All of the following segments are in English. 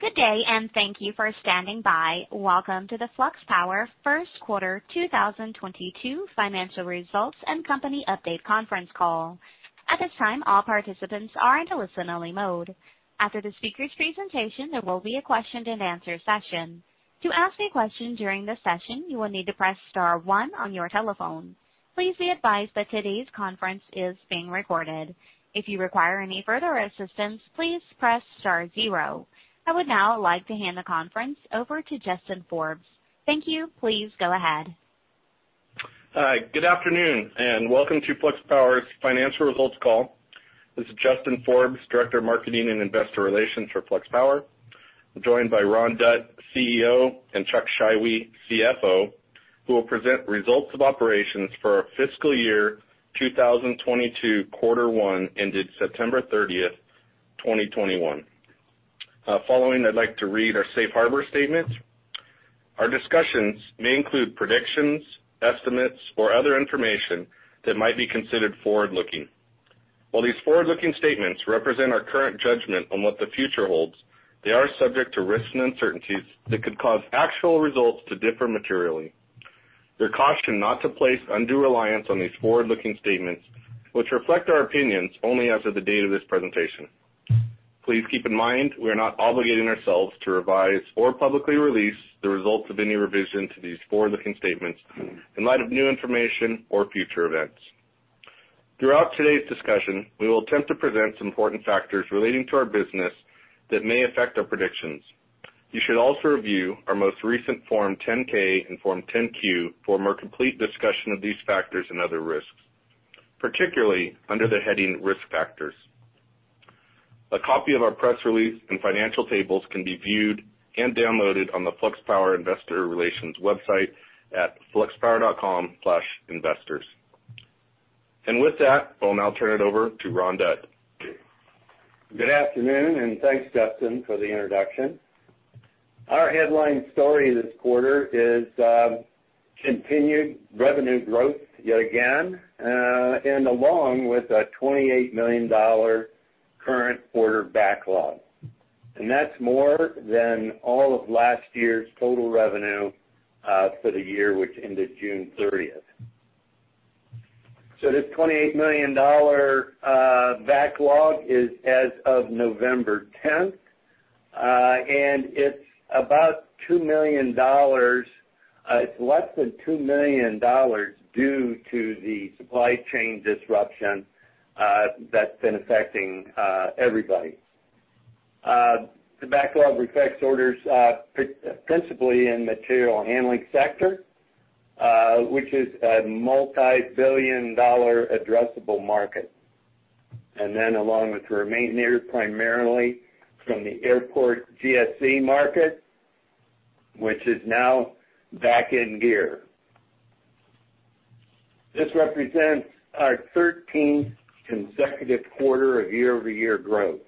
Good day, and thank you for standing by. Welcome to the Flux Power first quarter 2022 financial results and company update conference call. At this time, all participants are in a listen-only mode. After the speakers' presentation, there will be a question-and-answer session. To ask a question during this session, you will need to press star one on your telephone. Please be advised that today's conference is being recorded. If you require any further assistance, please press star zero. I would now like to hand the conference over to Justin Forbes. Thank you. Please go ahead. Hi. Good afternoon, and welcome to Flux Power's financial results call. This is Justin Forbes, Director of Marketing and Investor Relations for Flux Power, joined by Ron Dutt, CEO, and Chuck Scheiwe, CFO, who will present results of operations for our fiscal year 2022 quarter one ended September 30, 2021. Following, I'd like to read our safe harbor statement. Our discussions may include predictions, estimates, or other information that might be considered forward-looking. While these forward-looking statements represent our current judgment on what the future holds, they are subject to risks and uncertainties that could cause actual results to differ materially. You're cautioned not to place undue reliance on these forward-looking statements which reflect our opinions only as of the date of this presentation. Please keep in mind we are not obligating ourselves to revise or publicly release the results of any revision to these forward-looking statements in light of new information or future events. Throughout today's discussion, we will attempt to present important factors relating to our business that may affect our predictions. You should also review our most recent Form 10-K and Form 10-Q for a more complete discussion of these factors and other risks, particularly under the heading Risk Factors. A copy of our press release and financial tables can be viewed and downloaded on the Flux Power investor relations website at fluxpower.com/investors. With that, I'll now turn it over to Ron Dutt. Good afternoon, and thanks, Justin, for the introduction. Our headline story this quarter is continued revenue growth yet again, and along with a $28 million current quarter backlog. That's more than all of last year's total revenue for the year which ended June 30. This $28 million backlog is as of November 10, and it's about $2 million. It's less than $2 million due to the supply chain disruption that's been affecting everybody. The backlog reflects orders principally in material handling sector, which is a multi-billion-dollar addressable market, along with our maintainers, primarily from the airport GSE market, which is now back in gear. This represents our 13th consecutive quarter of year-over-year growth.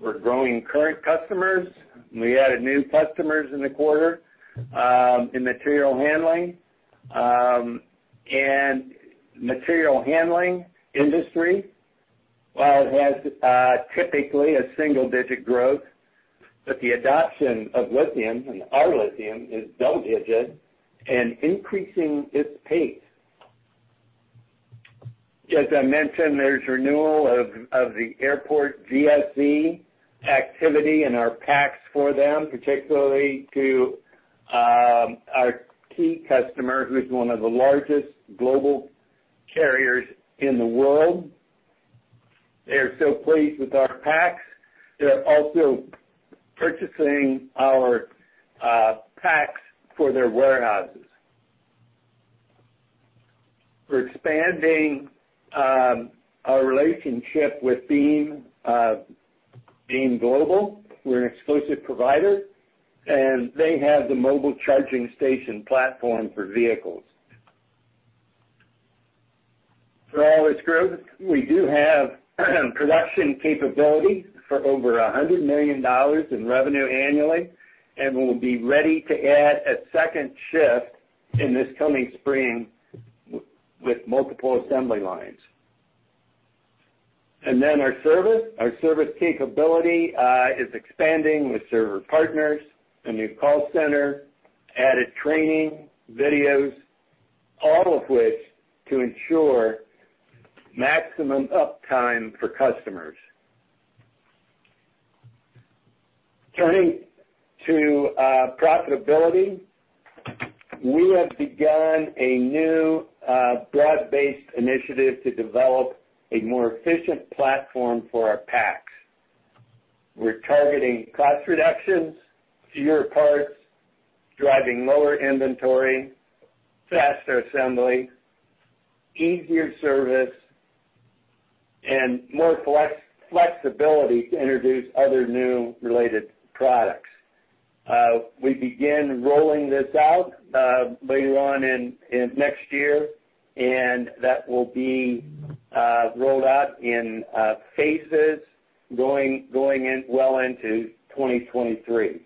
We're growing current customers, and we added new customers in the quarter in material handling. Material handling industry has typically single-digit growth, but the adoption of lithium and our lithium is double-digit and increasing its pace. As I mentioned, there's renewal of the airport GSE activity and our packs for them, particularly to our key customer who's one of the largest global carriers in the world. They are so pleased with our packs. They're also purchasing our packs for their warehouses. We're expanding our relationship with Beam Global. We're an exclusive provider, and they have the mobile charging station platform for vehicles. For all this growth, we do have production capability for over $100 million in revenue annually, and we'll be ready to add a second shift in this coming spring with multiple assembly lines. Our service capability is expanding with service partners, a new call center, added training, videos, all of which to ensure maximum uptime for customers. Turning to profitability, we have begun a new broad-based initiative to develop a more efficient platform for our packs. We're targeting cost reductions, fewer parts, driving lower inventory, faster assembly, easier service, and more flexibility to introduce other new related products. We begin rolling this out later on in next year, and that will be rolled out in phases going well into 2023.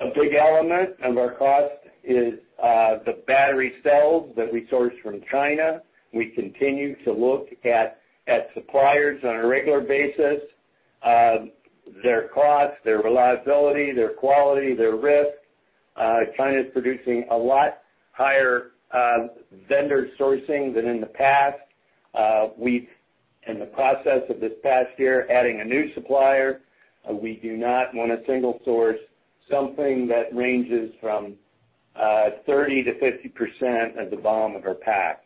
A big element of our cost is the battery cells that we source from China. We continue to look at suppliers on a regular basis, their cost, their reliability, their quality, their risk. China's producing a lot higher vendor sourcing than in the past. We've in the process of this past year, adding a new supplier. We do not wanna single source something that ranges from 30 to 50% of the volume of our pack.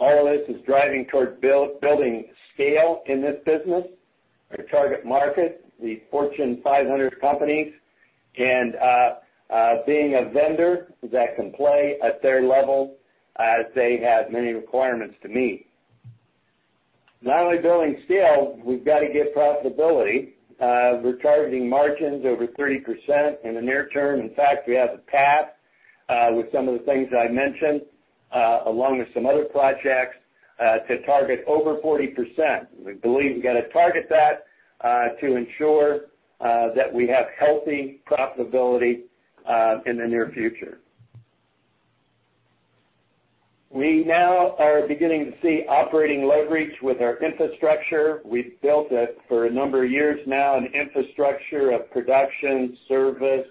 RLS is driving towards building scale in this business. Our target market, the Fortune 500 companies, and being a vendor that can play at their level as they have many requirements to meet. Not only building scale, we've gotta get profitability. We're targeting margins over 30% in the near term. In fact, we have a path with some of the things that I mentioned along with some other projects to target over 40%. We believe we've gotta target that to ensure that we have healthy profitability in the near future. We now are beginning to see operating leverage with our infrastructure. We've built it for a number of years now, an infrastructure of production, service,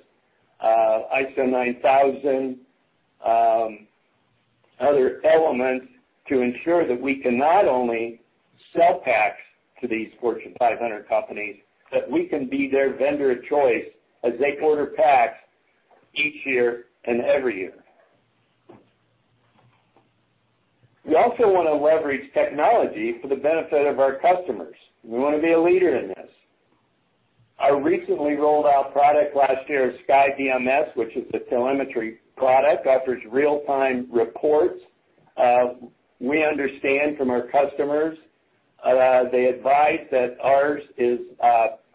ISO 9000, other elements to ensure that we can not only sell packs to these Fortune 500 companies, but we can be their vendor of choice as they order packs each year and every year. We also wanna leverage technology for the benefit of our customers. We wanna be a leader in this. Our recently rolled-out product last year, SkyBMS, which is a telemetry product, offers real-time reports. We understand from our customers they advise that ours is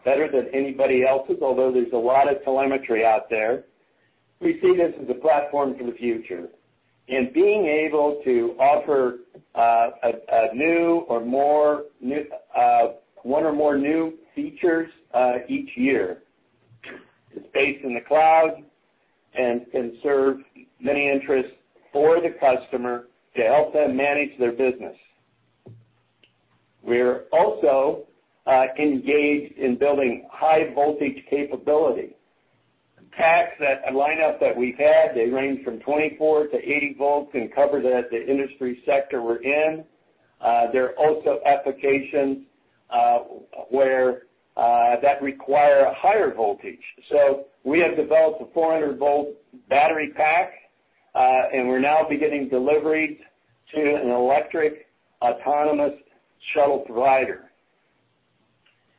better than anybody else's, although there's a lot of telemetry out there. We see this as a platform for the future. Being able to offer one or more new features each year. It's based in the cloud and can serve many interests for the customer to help them manage their business. We're also engaged in building high voltage capability. A lineup that we've had ranges from 24 to 80 volts and covers the industry sector we're in. There are also applications where that require a higher voltage. We have developed a 400-volt battery pack, and we're now beginning delivery to an electric autonomous shuttle provider.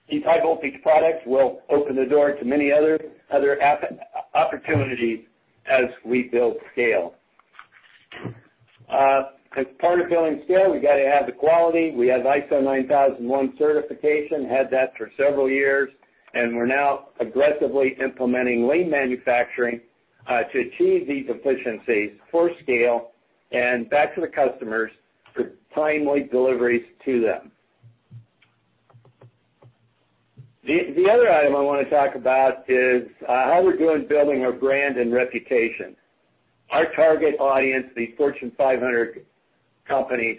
These high voltage products will open the door to many other opportunities as we build scale. As part of building scale, we gotta have the quality. We have ISO 9001 certification, had that for several years, and we're now aggressively implementing lean manufacturing to achieve these efficiencies for scale and back to the customers for timely deliveries to them. The other item I wanna talk about is how we're doing building our brand and reputation. Our target audience, these Fortune 500 companies,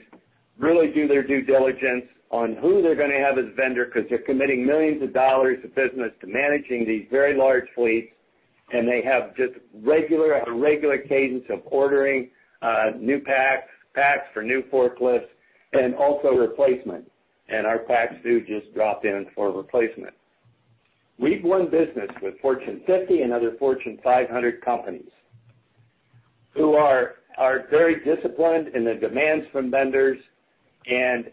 really do their due diligence on who they're gonna have as a vendor because they're committing millions of dollars of business to managing these very large fleets, and they have a regular cadence of ordering new packs for new forklifts and also replacement. Our packs do just drop in for replacement. We've won business with Fortune 50 and other Fortune 500 companies who are very disciplined in the demands from vendors and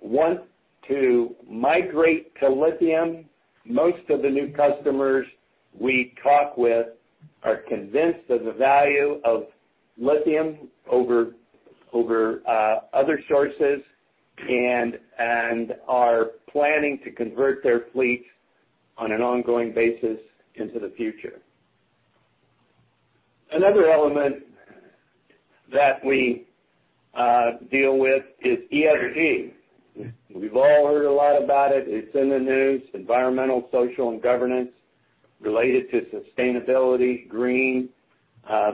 want to migrate to lithium. Most of the new customers we talk with are convinced of the value of lithium over other sources and are planning to convert their fleets on an ongoing basis into the future. Another element that we deal with is ESG. We've all heard a lot about it. It's in the news, environmental, social, and governance related to sustainability, green,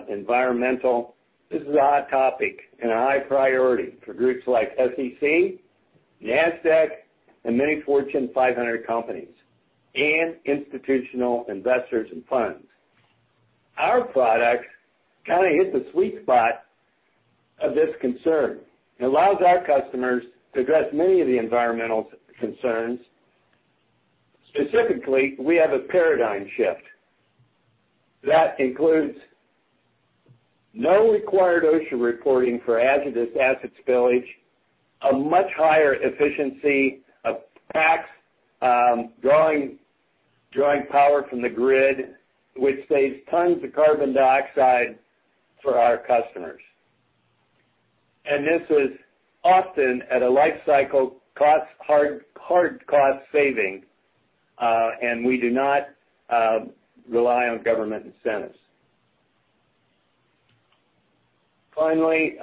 environmental. This is a hot topic and a high priority for groups like SEC, NASDAQ, and many Fortune 500 companies and institutional investors and funds. Our product kinda hits the sweet spot of this concern. It allows our customers to address many of the environmental concerns. Specifically, we have a paradigm shift that includes no required OSHA reporting for hazardous assets spillage, a much higher efficiency of packs, drawing power from the grid, which saves tons of carbon dioxide for our customers. This is often at a life cycle cost, hard cost saving, and we do not rely on government incentives. Finally,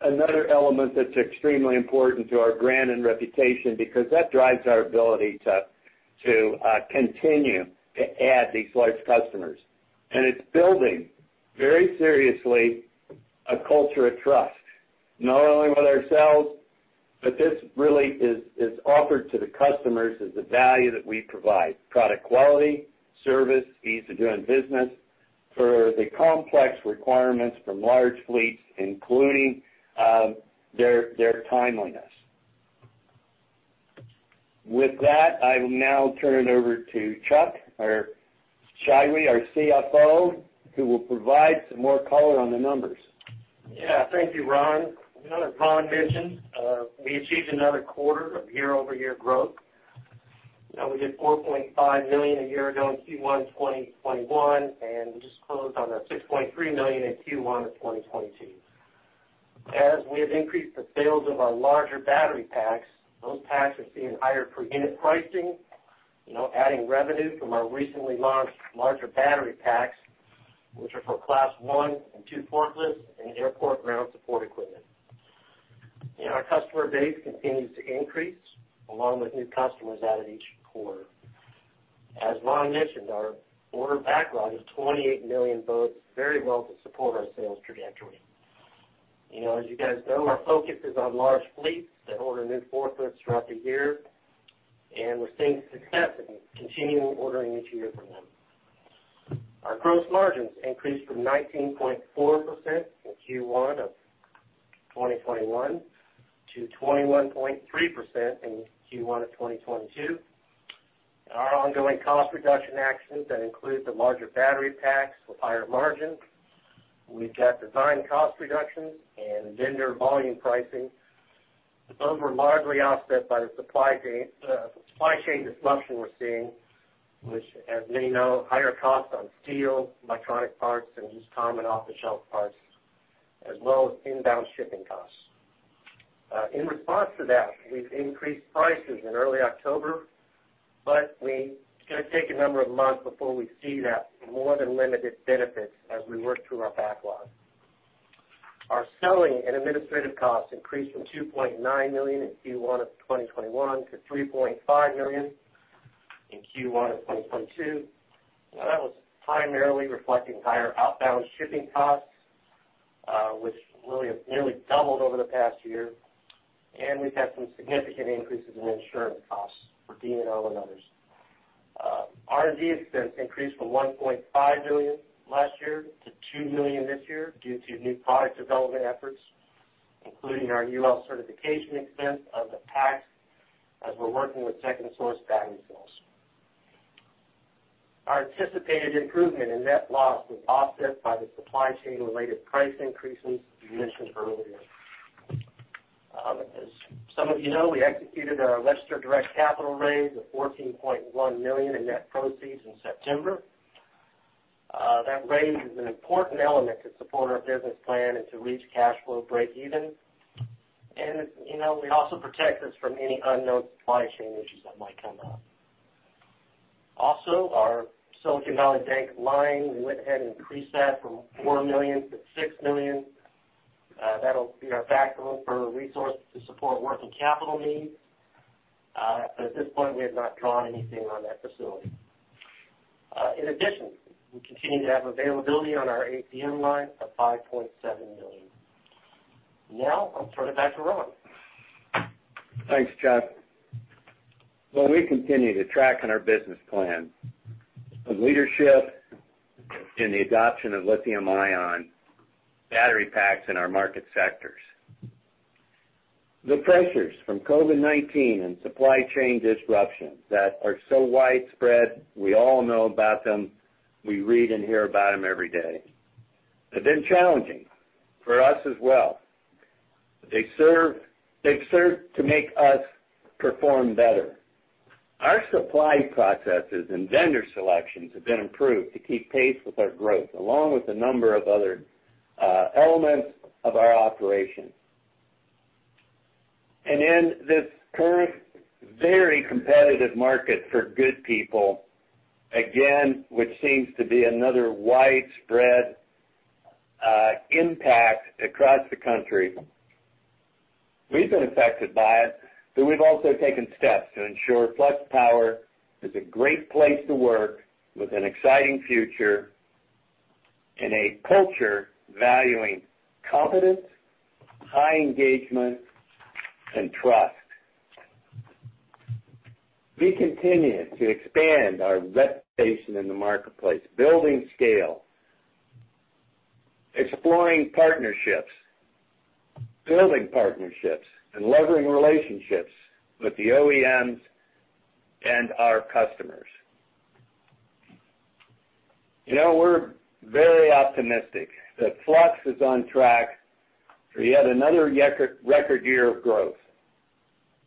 another element that's extremely important to our brand and reputation because that drives our ability to continue to add these large customers. It's building very seriously a culture of trust, not only with ourselves, but this really is offered to the customers as the value that we provide, product quality, service, ease of doing business for the complex requirements from large fleets, including their timeliness. With that, I will now turn it over to Chuck Scheiwe, our CFO, who will provide some more color on the numbers. Yeah. Thank you, Ron. You know, as Ron mentioned, we achieved another quarter of year-over-year growth. You know, we did $4.5 million a year ago in Q1 2021, and we just closed on the $6.3 million in Q1 of 2022. As we have increased the sales of our larger battery packs, those packs are seeing higher per unit pricing, you know, adding revenue from our recently launched larger battery packs, which are for Class 1 and 2 forklifts and airport ground support equipment. You know, our customer base continues to increase along with new customers added each quarter. As Ron mentioned, our order backlog is $28 million bodes very well to support our sales trajectory. You know, as you guys know, our focus is on large fleets that order new forklifts throughout the year, and we're seeing success in continuing ordering each year from them. Our gross margins increased from 19.4% in Q1 of 2021 to 21.3% in Q1 of 2022. Our ongoing cost reduction actions that include the larger battery packs with higher margins. We've got design cost reductions and vendor volume pricing. Those were largely offset by the supply chain disruption we're seeing, which as many know, higher costs on steel, electronic parts, and just common off-the-shelf parts, as well as inbound shipping costs. In response to that, we've increased prices in early October, but it's gonna take a number of months before we see that more than limited benefits as we work through our backlog. Our selling and administrative costs increased from $2.9 million in Q1 of 2021 to $3.5 million in Q1 of 2022. Now, that was primarily reflecting higher outbound shipping costs, which really have nearly doubled over the past year, and we've had some significant increases in insurance costs for D&O and others. R&D expense increased from $1.5 million last year to $2 million this year due to new product development efforts, including our UL certification expense of the packs as we're working with second source battery cells. Our anticipated improvement in net loss was offset by the supply chain-related price increases we mentioned earlier. As some of you know, we executed our registered direct capital raise of $14.1 million in net proceeds in September. That raise is an important element to support our business plan and to reach cash flow breakeven. You know, it also protects us from any unknown supply chain issues that might come up. Also, our Silicon Valley Bank line, we went ahead and increased that from $4 million to $6 million. That'll be our backstop for resources to support working capital needs. At this point, we have not drawn anything on that facility. In addition, we continue to have availability on our ATM line of $5.7 million. Now, I'll turn it back to Ron. Thanks, Chuck. Well, we continue to track on our business plan of leadership in the adoption of lithium-ion battery packs in our market sectors. The pressures from COVID-19 and supply chain disruptions that are so widespread, we all know about them, we read and hear about them every day. They've been challenging for us as well. They've served to make us perform better. Our supply processes and vendor selections have been improved to keep pace with our growth, along with a number of other elements of our operations. In this current very competitive market for good people, again, which seems to be another widespread impact across the country, we've been affected by it, but we've also taken steps to ensure Flux Power is a great place to work with an exciting future and a culture valuing competence, high engagement, and trust. We continue to expand our reputation in the marketplace, building scale, exploring partnerships, building partnerships, and leveraging relationships with the OEMs and our customers. You know, we're very optimistic that Flux is on track for yet another record year of growth.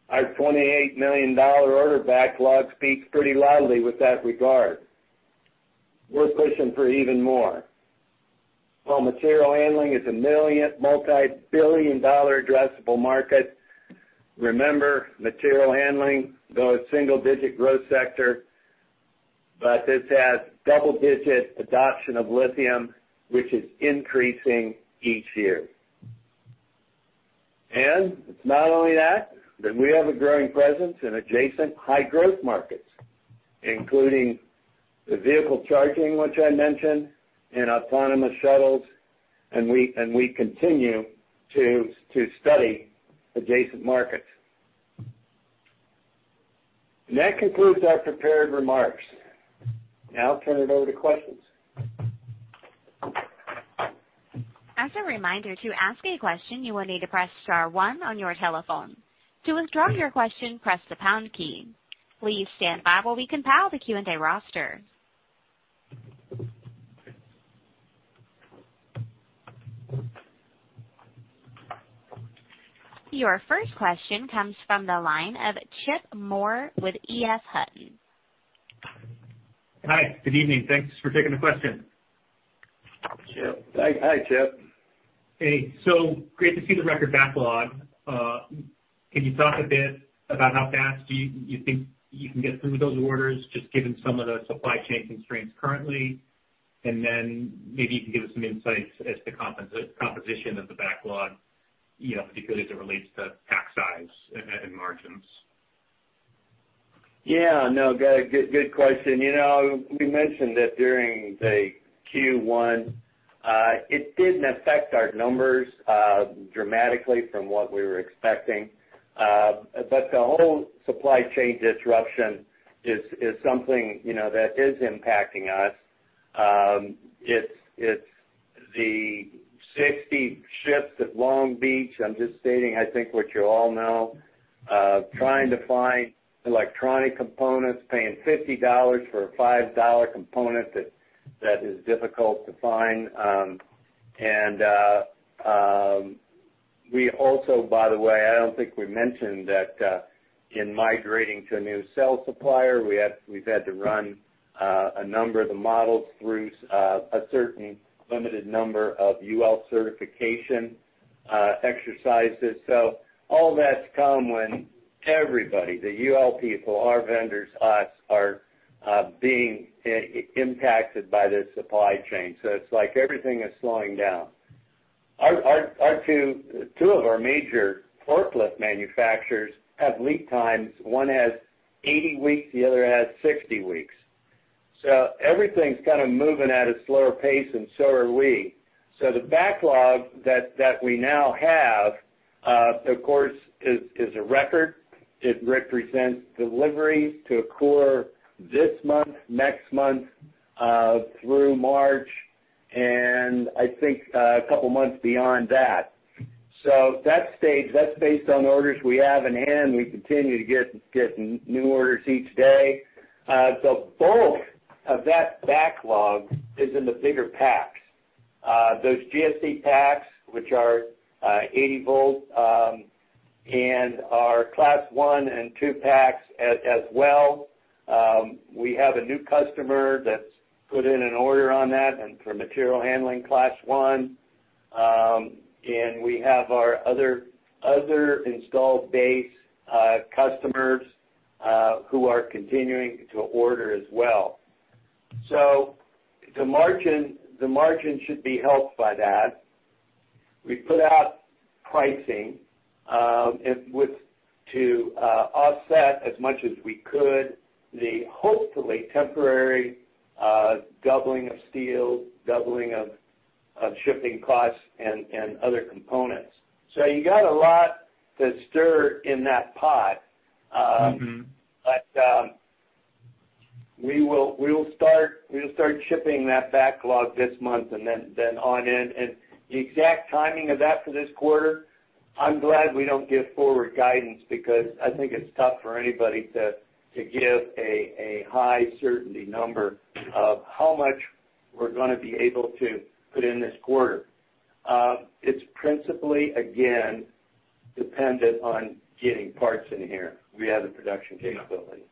Our $28 million order backlog speaks pretty loudly with that regard. We're pushing for even more. While material handling is a multi-billion dollar addressable market, remember, material handling, though a single-digit growth sector, this has double-digit adoption of lithium, which is increasing each year. It's not only that, but we have a growing presence in adjacent high growth markets, including the vehicle charging, which I mentioned, and autonomous shuttles, and we continue to study adjacent markets. That concludes our prepared remarks. Now I'll turn it over to questions. As a reminder, to ask a question, you will need to press star one on your telephone. To withdraw your question, press the pound key. Please stand by while we compile the Q&A roster. Your first question comes from the line of Chip Moore with Roth Capital Partners. Hi. Good evening. Thanks for taking the question. Hi, Chip. Hey. Great to see the record backlog. Can you talk a bit about how fast you think you can get through those orders, just given some of the supply chain constraints currently? Then maybe you can give us some insights as to composition of the backlog, you know, particularly as it relates to pack size and margins. Yeah, no, good question. You know, we mentioned that during the Q1, it didn't affect our numbers dramatically from what we were expecting. The whole supply chain disruption is something, you know, that is impacting us. It's the 60 ships at Long Beach, I'm just stating I think what you all know, trying to find electronic components, paying $50 for a $5 component that is difficult to find. We also by the way, I don't think we mentioned that, in migrating to a new cell supplier, we've had to run a number of the models through a certain limited number of UL certification exercises. All that's come when everybody, the UL people, our vendors, us, are being impacted by this supply chain. It's like everything is slowing down. Our two major forklift manufacturers have lead times. One has 80 weeks, the other has 60 weeks. Everything's kind of moving at a slower pace, and so are we. The backlog that we now have, of course, is a record. It represents deliveries to occur this month, next month, through March, and I think a couple months beyond that. That stage, that's based on orders we have in hand. We continue to get new orders each day. The bulk of that backlog is in the bigger packs, those GSE packs, which are 80 volts, and our class 1 and two packs as well. We have a new customer that's put in an order on that and for material handling class one. We have our other installed base customers who are continuing to order as well. The margin should be helped by that. We put out pricing to offset as much as we could the hopefully temporary doubling of steel and shipping costs and other components. You got a lot to stir in that pot. Mm-hmm. We'll start shipping that backlog this month and then on in. The exact timing of that for this quarter, I'm glad we don't give forward guidance because I think it's tough for anybody to give a high certainty number of how much we're gonna be able to put in this quarter. It's principally, again, dependent on getting parts in here. We have the production capability.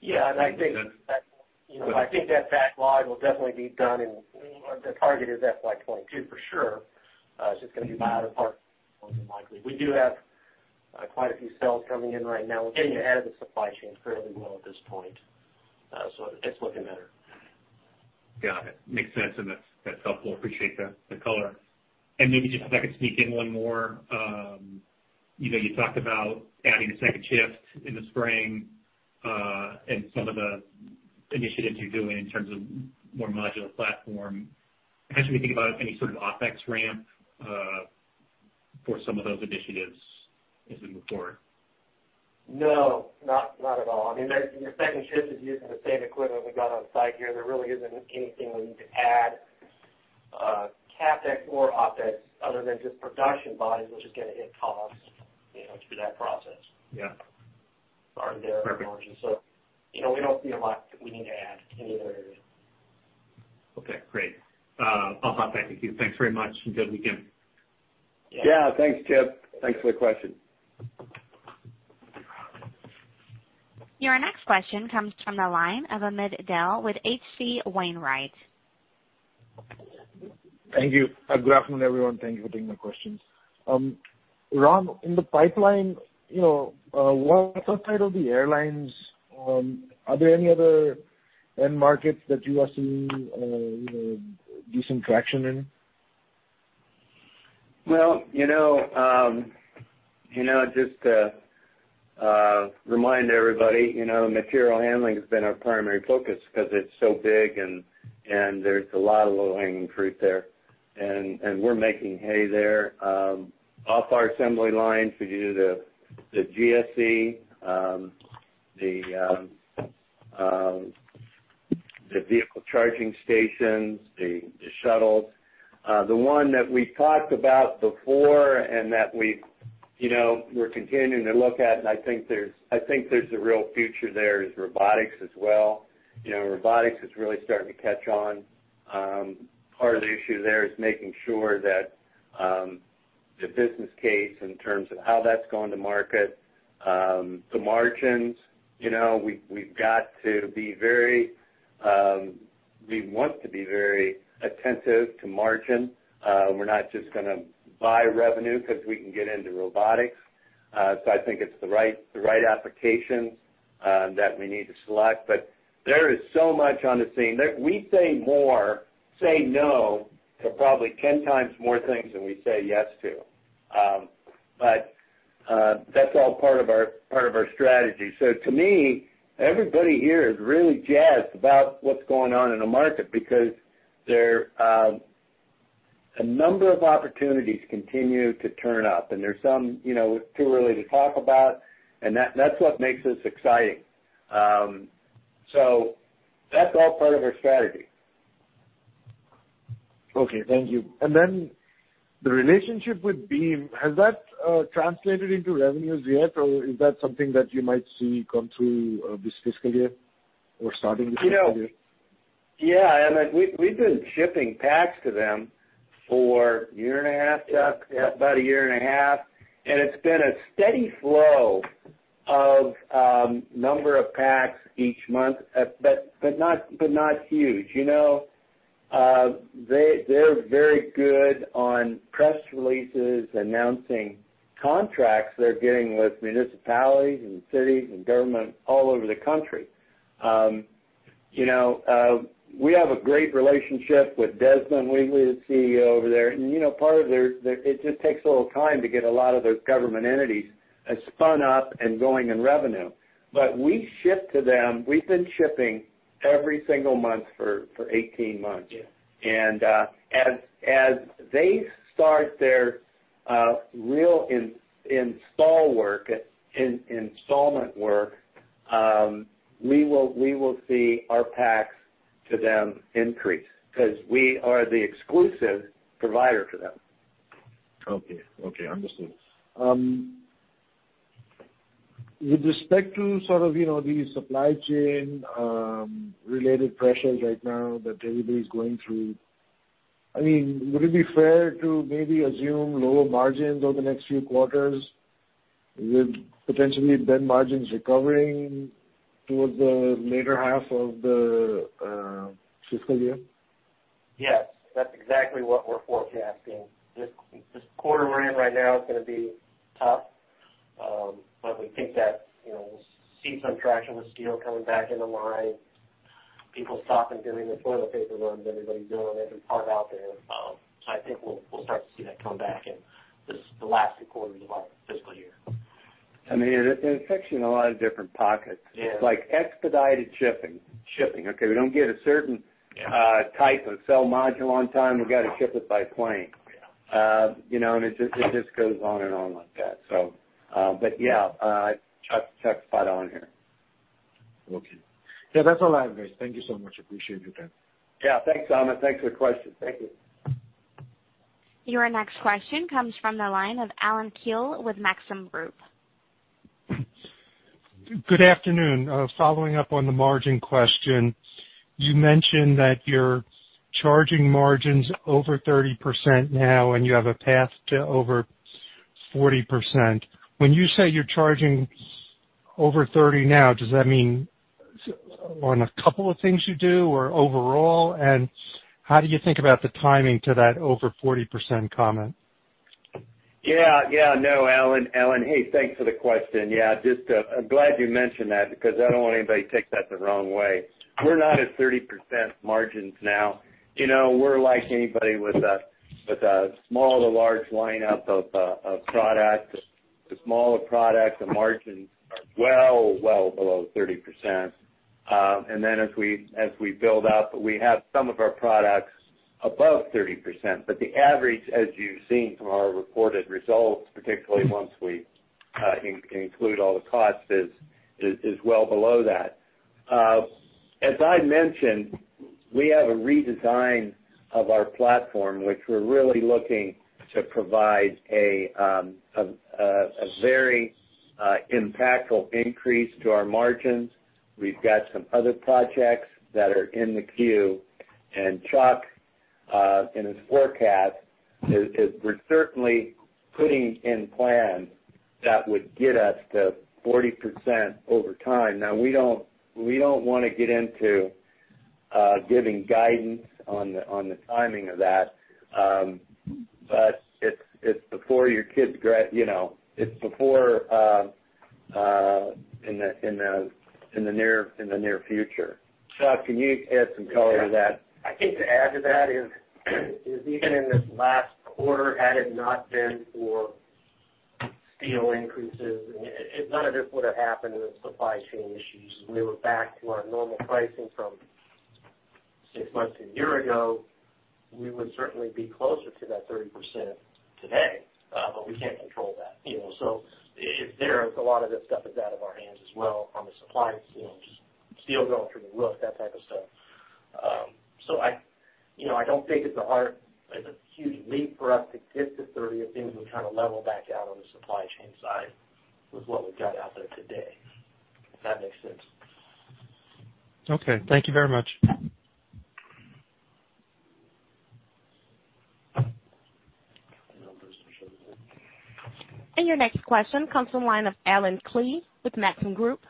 Yeah. I think that, you know, backlog will definitely be done. The target is FY 2022 for sure. It's just gonna be by the end likely. We do have quite a few cells coming in right now. We're getting ahead of the supply chain fairly well at this point. So it's looking better. Got it. Makes sense, and that's helpful. Appreciate the color. Maybe just if I could sneak in one more. You know, you talked about adding a second shift in the spring, and some of the initiatives you're doing in terms of more modular platform. How should we think about any sort of OpEx ramp for some of those initiatives as we move forward? No. Not at all. I mean, that's the second shift is using the same equipment we got on site here. There really isn't anything we need to add, CapEx or OpEx other than just production volume, which is gonna hit costs, you know, through that process. Yeah. Their margins. Perfect. You know, we don't see a lot that we need to add in either area. Okay, great. I'll hop back to you. Thanks very much, and good weekend. Yeah, thanks, Chip. Thanks for the question. Your next question comes from the line of Amit Dayal with H.C. Wainwright. Thank you. Good afternoon, everyone. Thank you for taking the questions. Ron, in the pipeline, you know, what outside of the airlines, are there any other end markets that you are seeing, you know, decent traction in? Well, you know, just to remind everybody, you know, material handling has been our primary focus 'cause it's so big and there's a lot of low-hanging fruit there, and we're making hay there. From our assembly line to the GSE, the vehicle charging stations, the shuttles. The one that we talked about before and that we've, you know, we're continuing to look at, and I think there's a real future there, is robotics as well. You know, robotics is really starting to catch on. Part of the issue there is making sure that the business case in terms of how that's going to market, the margins. You know, we've got to be very, we want to be very attentive to margin. We're not just gonna buy revenue 'cause we can get into robotics. I think it's the right applications that we need to select. There is so much on the scene. We say no to probably ten times more things than we say yes to. That's all part of our strategy. To me, everybody here is really jazzed about what's going on in the market because a number of opportunities continue to turn up and there's some you know too early to talk about, and that's what makes this exciting. That's all part of our strategy. Okay. Thank you. The relationship with Beam, has that translated into revenues yet? Or is that something that you might see come through this fiscal year or starting this fiscal year? You know, yeah, I mean, we've been shipping packs to them for a year and a half, Chuck? Yeah. About a year and a half. It's been a steady flow of number of packs each month, but not huge. You know, they're very good on press releases, announcing contracts they're getting with municipalities and cities and government all over the country. You know, we have a great relationship with Desmond Wheatley, the CEO over there. You know, part of their it just takes a little time to get a lot of those government entities spun up and going in revenue. We ship to them. We've been shipping every single month for 18 months. Yeah. As they start their installation work, we will see our packs to them increase 'cause we are the exclusive provider to them. Okay. Understood. With respect to sort of, you know, the supply chain related pressures right now that everybody's going through, I mean, would it be fair to maybe assume lower margins over the next few quarters with potentially then margins recovering towards the latter half of the fiscal year? Yes. That's exactly what we're forecasting. This quarter we're in right now is gonna be tough. But we think that, you know, we'll see some traction with steel coming back in the line, people stopping doing the toilet paper runs everybody's doing every part out there. So I think we'll start to see that come back in the last two quarters of our fiscal year. I mean, it affects you in a lot of different pockets. Yeah. Like expedited shipping, okay? We don't get a certain- Yeah. Type of cell module on time, we gotta ship it by plane. Yeah. You know, it just goes on and on like that. Yeah, Chuck's spot on here. Okay. Yeah. That's all I have, guys. Thank you so much. Appreciate your time. Yeah. Thanks, Amit. Thanks for the question. Thank you. Your next question comes from the line of Allen Klee with Maxim Group. Good afternoon. Following up on the margin question, you mentioned that your charging margin's over 30% now and you have a path to over 40%. When you say you're charging over 30% now, does that mean on a couple of things you do or overall? How do you think about the timing to that over 40% comment? Yeah, no, Allen, hey, thanks for the question. Yeah, just, I'm glad you mentioned that because I don't want anybody to take that the wrong way. We're not at 30% margins now. You know, we're like anybody with a small to large lineup of products. The smaller products, the margins are well below 30%. Then as we build out, we have some of our products above 30%. The average, as you've seen from our reported results, particularly once we include all the costs, is well below that. As I mentioned, we have a redesign of our platform, which we're really looking to provide a very impactful increase to our margins. We've got some other projects that are in the queue, and Chuck, in his forecasts, we're certainly putting in plans that would get us to 40% over time. Now, we don't wanna get into giving guidance on the timing of that, but it's you know, it's in the near future. Chuck, can you add some color to that? Yeah. I think to add to that is even in this last quarter, had it not been for steel increases, none of this would have happened with supply chain issues. If we were back to our normal pricing from six months to a year ago, we would certainly be closer to that 30% today, but we can't control that. You know, it's there. A lot of this stuff is out of our hands as well from a supply and steel going through the roof, that type of stuff. You know, I don't think it's a huge leap for us to get to 30. I think we kind of level back out on the supply chain side with what we've got out there today, if that makes sense. Okay, thank you very much. Your next question comes from the line of Allen Klee with Maxim Group.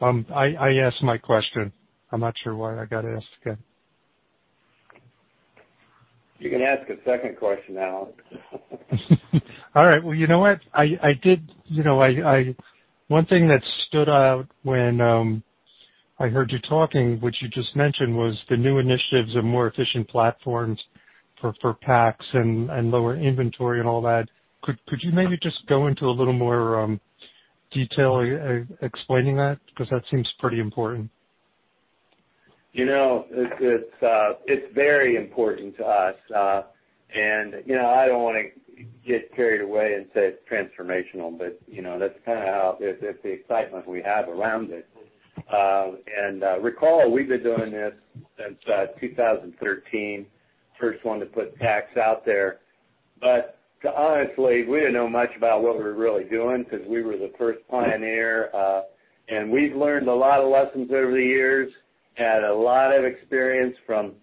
I asked my question. I'm not sure why I gotta ask again. You can ask a second question, Allen. All right, well, you know what? One thing that stood out when I heard you talking, which you just mentioned, was the new initiatives of more efficient platforms for packs and lower inventory and all that. Could you maybe just go into a little more detail explaining that? 'Cause that seems pretty important. You know, it's very important to us. You know, I don't wanna get carried away and say it's transformational, but you know, that's kinda how it is. It's the excitement we have around it. Recall, we've been doing this since 2013. First one to put packs out there. But honestly, we didn't know much about what we were really doing 'cause we were the first pioneer, and we've learned a lot of lessons over the years, had a lot of experience from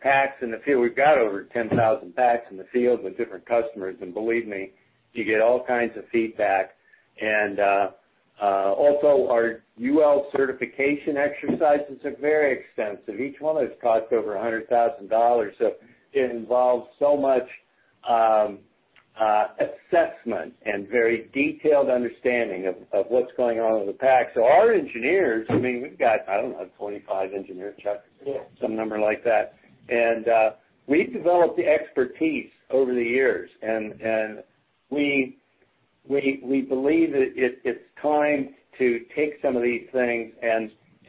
packs in the field. We've got over 10,000 packs in the field with different customers, and believe me, you get all kinds of feedback. Also our UL certification exercises are very extensive. Each one of those cost over $100,000, so it involves so much assessment and very detailed understanding of what's going on with the pack. Our engineers, I mean, we've got, I don't know, 25 engineers, Chuck? Yeah. Some number like that. We've developed the expertise over the years and we believe that it's time to take some of these things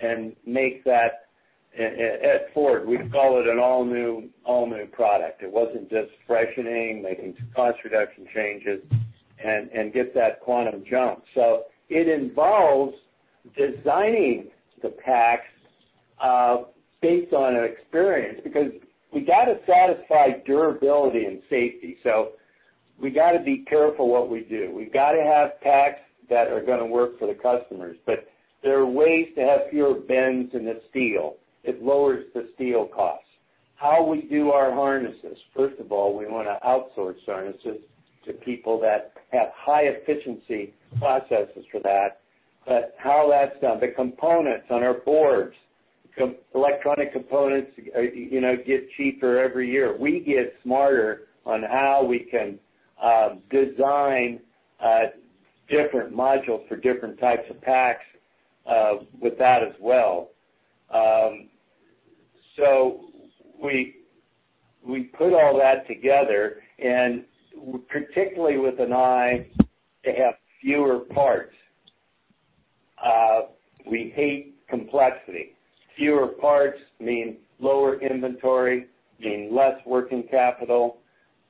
and make that. At Ford, we call it an all new product. It wasn't just freshening, making cost reduction changes, and get that quantum jump. It involves designing the packs based on experience, because we gotta satisfy durability and safety, so we gotta be careful what we do. We've gotta have packs that are gonna work for the customers, but there are ways to have fewer bends in the steel. It lowers the steel cost. How we do our harnesses. First of all, we wanna outsource harnesses to people that have high efficiency processes for that. But how that's done, the components on our boards, electronic components, you know, get cheaper every year. We get smarter on how we can design different modules for different types of packs with that as well. We put all that together, and particularly with an eye to have fewer parts. We hate complexity. Fewer parts mean lower inventory and less working capital.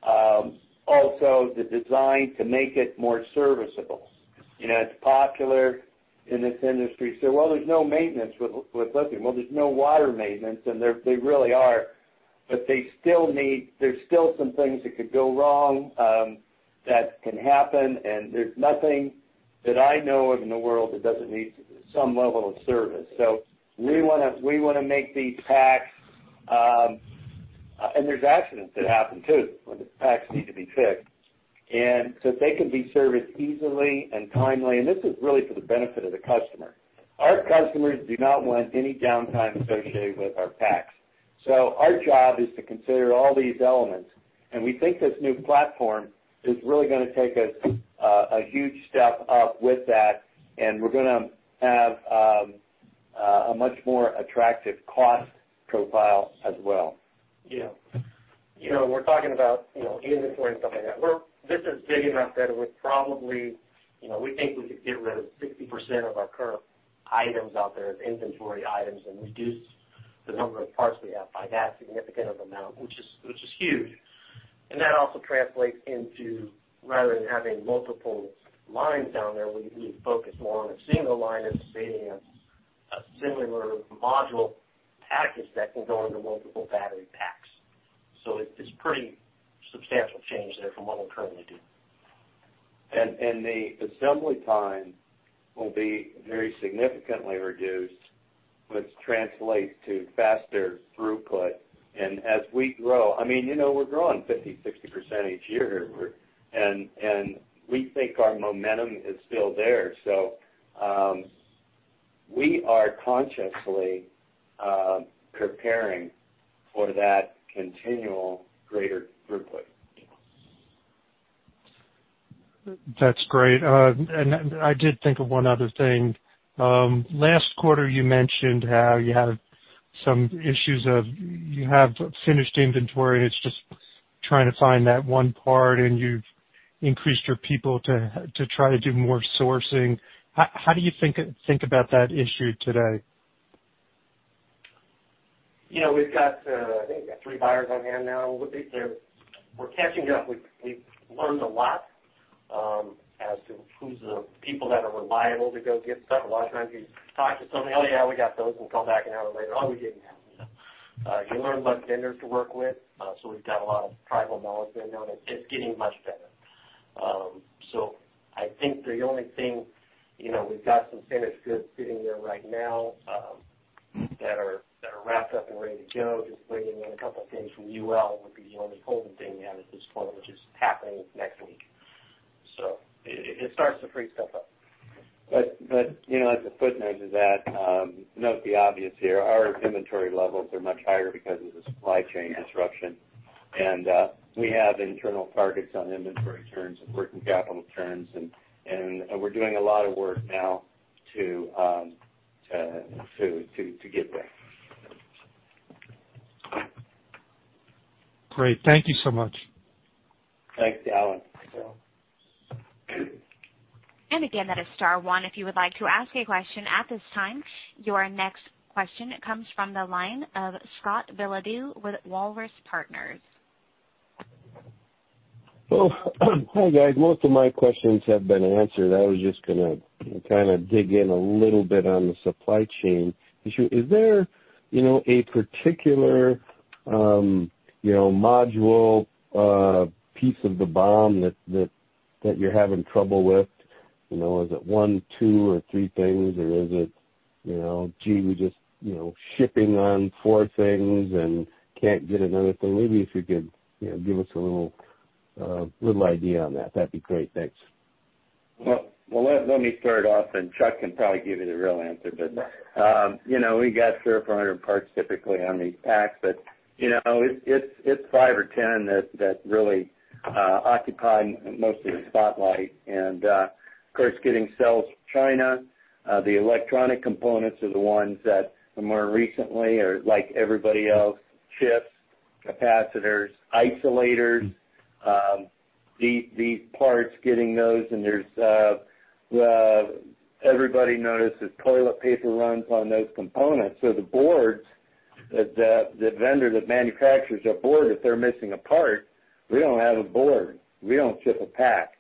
Also, the design to make it more serviceable. You know, it's popular in this industry to say, "Well, there's no maintenance with lithium." Well, there's no water maintenance, and there really are. But they still need. There's still some things that could go wrong, that can happen, and there's nothing that I know of in the world that doesn't need some level of service. We wanna make these packs. There's accidents that happen, too, when the packs need to be fixed. They can be serviced easily and timely, and this is really for the benefit of the customer. Our customers do not want any downtime associated with our packs. Our job is to consider all these elements, and we think this new platform is really gonna take us a huge step up with that, and we're gonna have a much more attractive cost profile as well. Yeah. You know, we're talking about, you know, inventory and stuff like that. This is big enough that it would probably, you know, we think we could get rid of 60% of our current items out there as inventory items and reduce the number of parts we have by that significant of amount, which is huge. That also translates into, rather than having multiple lines down there, we focus more on a single line instead of seeing a similar module package that can go into multiple battery packs. It's a pretty substantial change there from what we currently do. The assembly time will be very significantly reduced, which translates to faster throughput. As we grow, I mean, you know, we're growing 50%-60% each year. We think our momentum is still there. We are consciously preparing for that continual greater throughput. That's great. I did think of one other thing. Last quarter, you mentioned how you had some issues with your finished inventory and it's just trying to find that one part, and you've increased your people to try to do more sourcing. How do you think about that issue today? You know, we've got, I think we've got three buyers on hand now. We're catching up. We've learned a lot as to who's the people that are reliable to go get stuff. A lot of times you talk to somebody, "Oh, yeah, we got those," and come back an hour later, "Oh, we didn't have them." You learn about vendors to work with. We've got a lot of tribal knowledge there now, and it's getting much better. I think the only thing, you know, we've got some finished goods sitting there right now that are wrapped up and ready to go. Just waiting on a couple of things from UL would be the only holding thing we have at this point, which is happening next week. It starts to free stuff up. You know, as a footnote to that, note the obvious here. Our inventory levels are much higher because of the supply chain disruption. We have internal targets on inventory turns and working capital turns, and we're doing a lot of work now to get there. Great. Thank you so much. Thanks, Allen. Again, that is star one if you would like to ask a question. At this time, your next question comes from the line of Scott Biladeau with Walrus Partners. Well, hi, guys. Most of my questions have been answered. I was just gonna kinda dig in a little bit on the supply chain issue. Is there, you know, a particular, you know, module, piece of the BOM that you're having trouble with? You know, is it one, two or three things or is it, you know, gee, we just, you know, shipping on four things and can't get another thing? Maybe if you could, you know, give us a little idea on that'd be great. Thanks. Well, let me start off, and Chuck can probably give you the real answer. You know, we got shortages on our parts typically on these packs. You know, it's five or ten that really occupy mostly the spotlight. Of course, getting cells from China. The electronic components are the ones that more recently are like everybody else, chips, capacitors, isolators, these parts, getting those. Everybody notices toilet paper runs on those components. The boards that the vendor that manufactures a board, if they're missing a part, we don't have a board. We don't ship a pack.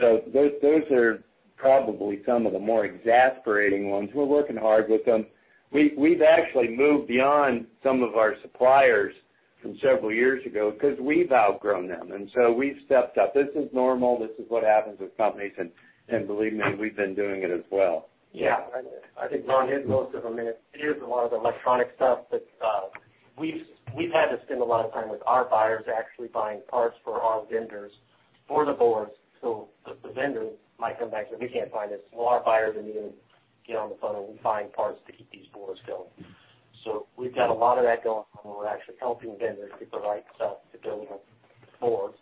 Those are probably some of the more exasperating ones. We're working hard with them. We've actually moved beyond some of our suppliers from several years ago because we've outgrown them, and so we've stepped up. This is normal. This is what happens with companies. Believe me, we've been doing it as well. Yeah. I think Ron hit most of them. It is a lot of electronic stuff, but we've had to spend a lot of time with our buyers actually buying parts for our vendors, for the boards. The vendors might come back and say, "We can't find this." Well, our buyers immediately get on the phone and we find parts to keep these boards going. We've got a lot of that going on where we're actually helping vendors get the right stuff to build the boards.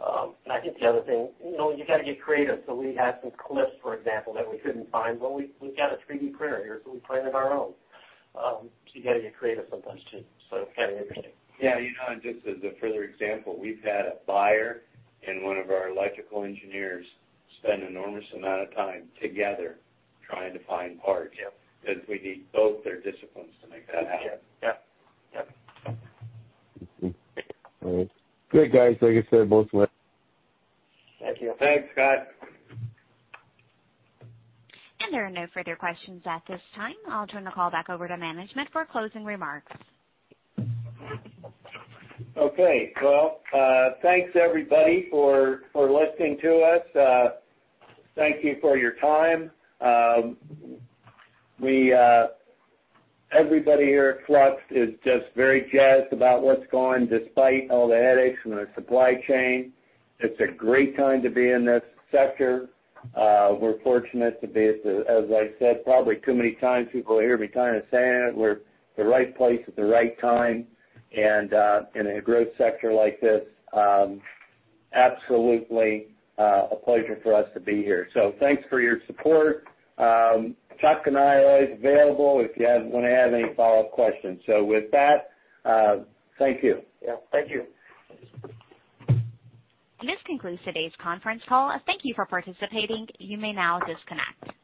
I think the other thing, you know, you gotta get creative. We had some clips, for example, that we couldn't find. Well, we've got a 3D printer here, so we printed our own. You gotta get creative sometimes too. It's very interesting. Yeah. You know, just as a further example, we've had a buyer and one of our electrical engineers spend an enormous amount of time together trying to find parts. Yep. Because we need both their disciplines to make that happen. Yep. Yep. All right. Great, guys. Like I said, most of my Thank you. Thanks, Scott. There are no further questions at this time. I'll turn the call back over to management for closing remarks. Okay. Well, thanks, everybody for listening to us. Thank you for your time. Everybody here at Flux is just very jazzed about what's going despite all the headaches from the supply chain. It's a great time to be in this sector. We're fortunate to be at the. As I said, probably too many times, people will hear me kinda saying it. We're at the right place at the right time and in a growth sector like this, absolutely a pleasure for us to be here. Thanks for your support. Chuck and I are always available if you wanna have any follow-up questions. With that, thank you. Yeah. Thank you. This concludes today's conference call. Thank you for participating. You may now disconnect.